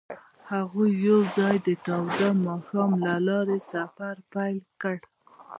هغوی یوځای د تاوده ماښام له لارې سفر پیل کړ.